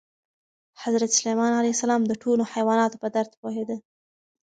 حضرت سلیمان علیه السلام د ټولو حیواناتو په درد پوهېده.